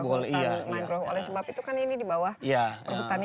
oleh sebab itu kan ini di bawah perhutanian